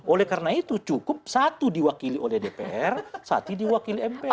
oleh karena itu cukup satu diwakili oleh dpr satu diwakili mpr